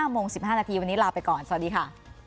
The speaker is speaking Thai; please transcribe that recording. โมง๑๕นาทีวันนี้ลาไปก่อนสวัสดีค่ะ